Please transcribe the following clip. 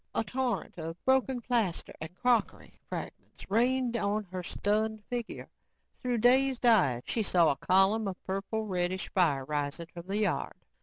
A torrent of broken plaster, and crockery fragments rained on her stunned figure. Through dazed eyes, she saw a column of purple reddish fire rising from the yard.